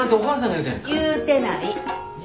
言うてない。